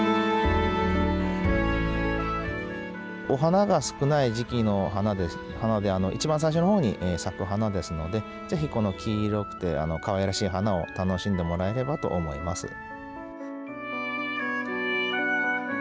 お花が少ない時期の花で一番最初の方に咲く花なのでぜひこの黄色くてかわいらしい花を楽しんでもらえればと思います。